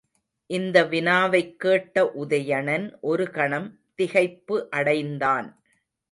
இந்த வினாவைக் கேட்ட உதயணன் ஒரு கணம் திகைப்பு அடைந்தான்.